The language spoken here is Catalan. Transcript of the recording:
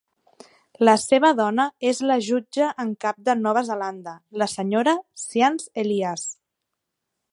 La seva dona és la jutge en cap de Nova Zelanda, la senyora Sian Elias.